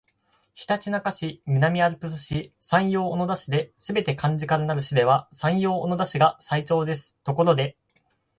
ひたちなか市、南アルプス市、山陽小野田市ですべて漢字からなる市では山陽小野田市が最長ですところで